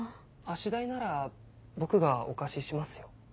足代なら僕がお貸ししますよ。